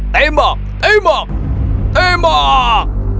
tembak tembak tembak